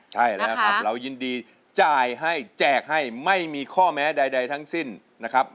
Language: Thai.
ใช่แล้วครับเรายินดีจ่ายให้แจกให้ไม่มีข้อแม้ใดทั้งสิ้นนะครับ